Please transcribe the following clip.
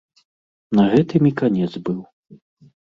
На гэтым і канец быў.